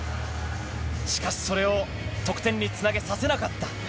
しかし、それを得点につなげさせなかった。